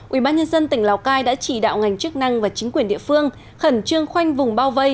ubnd tỉnh lào cai đã chỉ đạo ngành chức năng và chính quyền địa phương khẩn trương khoanh vùng bao vây